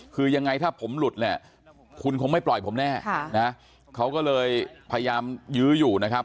คือยังไงถ้าผมหลุดเนี่ยคุณคงไม่ปล่อยผมแน่นะเขาก็เลยพยายามยื้ออยู่นะครับ